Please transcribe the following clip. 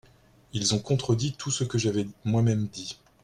Ils ont contredit tout ce que j’avais moi-même dit.